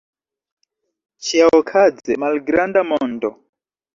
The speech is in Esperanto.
Ĉiaokaze, malgranda mondo.